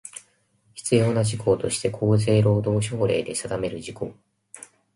必要な事項として厚生労働省令で定める事項